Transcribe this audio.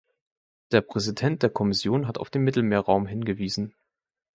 Der Präsident der Kommission hat auf den Mittelmeerraum hingewiesen.